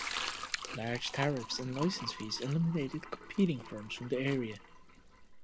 Large tariffs and license fees eliminated competing firms from the area.